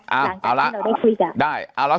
เอาร้างจากนี้เราได้คุยกัน